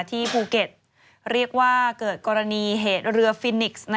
ที่ภูเก็ตเรียกว่าเกิดกรณีเหตุเรือฟินิกส์